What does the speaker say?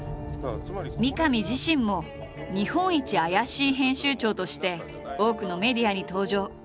三上自身も日本一アヤシイ編集長として多くのメディアに登場。